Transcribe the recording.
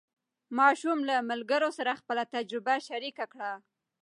ماشوم له ملګرو سره خپله تجربه شریکه کړه